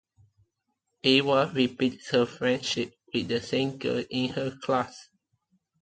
Ava rebuilds her friendship with the same girl in her class.